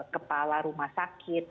kepala rumah sakit